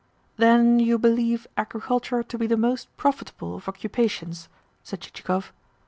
"Then you believe agriculture to be the most profitable of occupations?" said Chichikov.